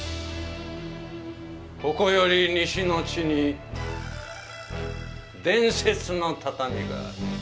ここより西の地に伝説の畳がある。